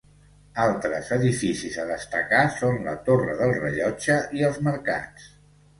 Altres edificis a destacar són la torre del rellotge i els mercats.